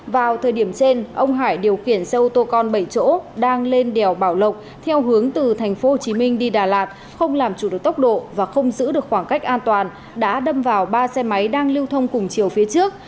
vào thời điểm trên ông hải điều kiển xe ô tô con bảy chỗ đang lên đèo bảo lộc theo hướng từ thành phố hồ chí minh đi đà lạt không làm chủ được tốc độ và không giữ được khoảng cách an toàn đã đâm vào ba xe máy đang lưu thông cùng chiều phía trước